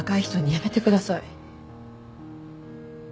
やめてください。